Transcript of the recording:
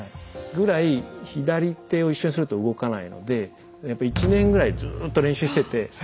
ぐらい左手を一緒にすると動かないのでやっぱ１年ぐらいずーっと練習してて。